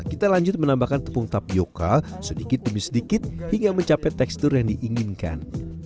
kita lanjut menambahkan tepung tapioca sedikit demi sedikit hingga mencapai tekstur yang diinginkan